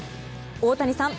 大谷さん